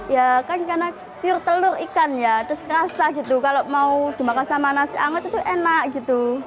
ya kan karena pure telur ikan ya terus ngerasa gitu kalau mau dimakan sama nasi anget itu enak gitu